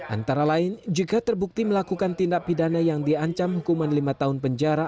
antara lain jika terbukti melakukan tindak pidana yang diancam hukuman lima tahun penjara